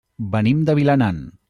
Venim de Vilanant.